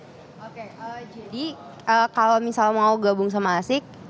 jadi kalau misalnya mau gabung sama asik